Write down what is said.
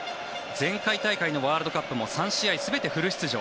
前回大会のワールドカップも３試合全てフル出場。